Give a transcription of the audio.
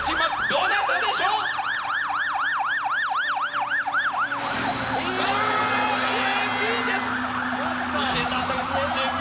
どなたでしょう⁉似てたんだけど。